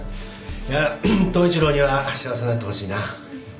いや統一郎には幸せになってほしいな。